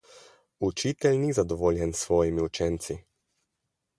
Učitelj ni zadovoljen s svojimi učenci.